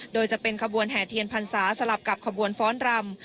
โดยจะเป็นขบวนแห่เทียนพรรษาสลับกับขบวนฟ้อนรำ